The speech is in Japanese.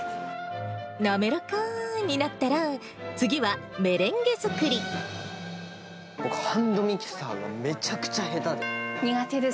滑らかーになったら、次はメ僕、ハンドミキサーがめちゃくちゃ下手で。